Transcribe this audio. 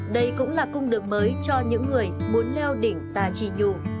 đây cũng là cung đường mới cho những người muốn leo đỉnh tà trì nhu